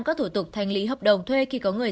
các thủ tục thanh lý hợp đồng thuê khi có người